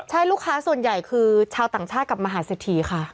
ใช่ลูกค้าส่วนใหญ่คือชาวต่างชาติกับมหาเศรษฐีค่ะ